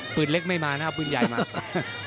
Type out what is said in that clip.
ปืนเล็กไม่มานะเอาปืนใหญ่มา